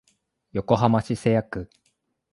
横浜市瀬谷区